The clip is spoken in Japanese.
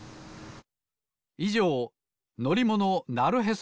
いじょう「のりものなるへそ！